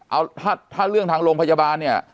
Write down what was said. เอาถ้าเรื่องทางโรงพยาบาลเนี่ย